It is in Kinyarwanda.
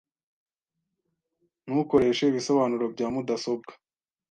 Ntukoreshe ibisobanuro bya mudasobwa.